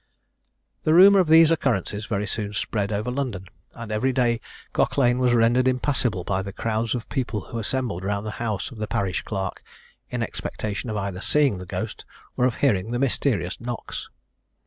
The rumour of these occurrences very soon spread over London, and every day Cock lane was rendered impassable by the crowds of people who assembled around the house of the parish clerk, in expectation of either seeing the ghost or of hearing the mysterious knocks.